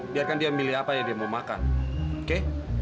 biarkan dia milih apa yang dia mau makan oke